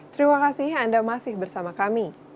terima kasih anda masih bersama kami